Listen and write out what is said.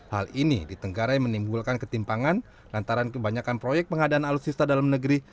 hal ini ditenggarai menimbulkan ketimpangan lantaran kebanyakan proyek pengadaan alutsista dalam negeri